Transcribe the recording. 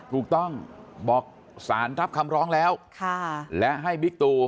บอกสารรับคำร้องแล้วและให้บิ๊กตู